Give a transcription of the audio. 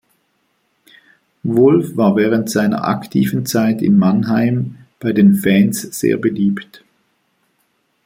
Wolf war während seiner aktiven Zeit in Mannheim bei den Fans sehr beliebt.